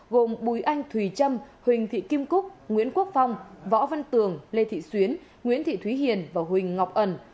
gồm bùi anh thùy trâm huỳnh thị kim cúc nguyễn quốc phong võ văn tường lê thị xuyến nguyễn thị thúy hiền và huỳnh ngọc ẩn